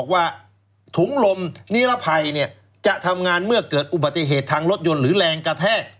ว่าถุงลมนิรภัยจะทำงานเมื่อเกิดอุบัติเหตุทางรถยนต์หรือแรงกระแทก